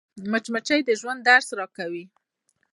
مچمچۍ د ژوند درس راکوي